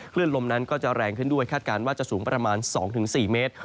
ลมนั้นก็จะแรงขึ้นด้วยคาดการณ์ว่าจะสูงประมาณ๒๔เมตร